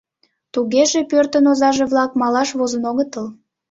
Тугеже пӧртын озаже-влак малаш возын огытыл.